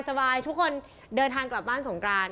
สบายทุกคนเดินทางกลับบ้านสงกราน